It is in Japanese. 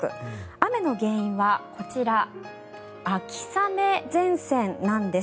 雨の原因はこちら、秋雨前線なんです。